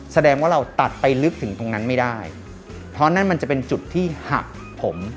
แสดงว่าเราตัดไปลึกถึงตรงนั้นไม่ได้เพราะนั่นมันจะเป็นจุดที่หักผม